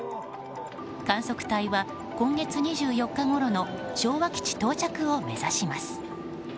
観測隊は今月２４日ごろの昭和基地到着を目指します。